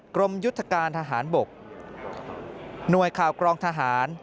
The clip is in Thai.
กรมยุทธการทหารบกหน่วยข่าวกรองทหาร